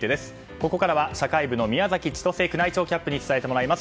ここからは社会部の宮崎千歳宮内庁キャップに伝えてもらいます。